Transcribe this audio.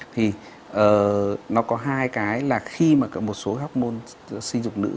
thì nó có hai cái là khi mà một số hormone sinh dục nữ